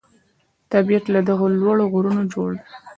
طبیعت له دغو لوړو غرونو جوړ دی.